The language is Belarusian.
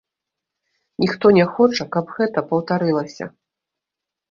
Ніхто не хоча, каб гэта паўтарылася.